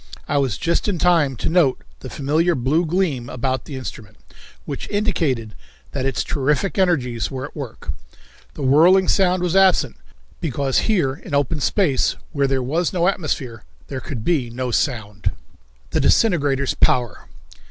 I was just in time to note the familiar blue gleam about the instrument, which indicated that its terrific energies were at work. The whirring sound was absent, because here, in open space, where there was no atmosphere, there could be no sound. The Disintegrator's Power.